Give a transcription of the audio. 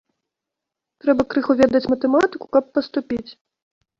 Трэба крыху ведаць матэматыку, каб паступіць.